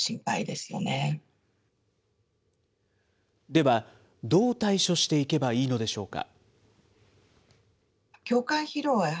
では、どう対処していけばいいのでしょうか。